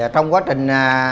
trong quá trình